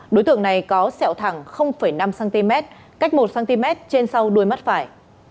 đối tượng này có sẹo thẳng năm cm cách một cm trên sau đuôi mắt phải